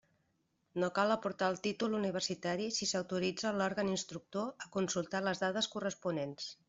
No cal aportar el títol universitari si s'autoritza l'òrgan instructor a consultar les dades corresponents.